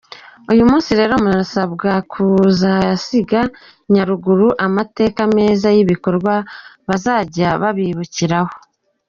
Uyu munsi rero murasabwa kuzasiga Nyaruguru amateka meza y’ibikorwa bazajya babibukiraho”.